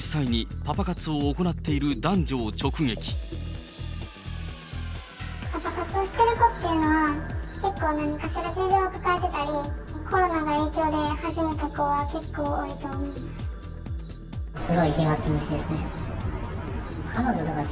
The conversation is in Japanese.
パパ活してる子っていうのは、結構何かしら事情を抱えてたり、コロナの影響で始めた子は結構多いと思います。